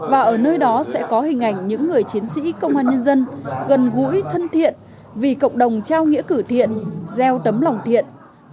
và ở nơi đó sẽ có hình ảnh những người chiến sĩ công an nhân dân gần gũi thân thiện vì cộng đồng trao nghĩa cử thiện gieo tấm lòng thiện